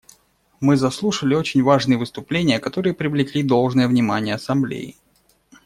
Мы заслушали очень важные выступления, которые привлекли должное внимание Ассамблеи.